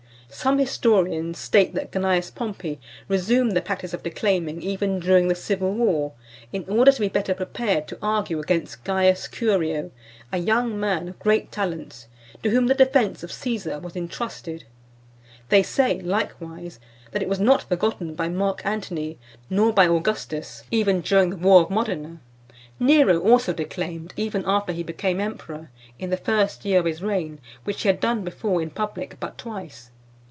Some historians state that Cneius Pompey resumed the practice of declaiming even during the civil war, in order to be better prepared to argue against Caius Curio, a young man of great talents, to whom the defence of Caesar was entrusted. They say, likewise, that it was not forgotten by Mark Antony, nor by Augustus, even during the war of Modena. Nero also declaimed even after he became emperor, in the first year of his reign, which he had done before in public but twice.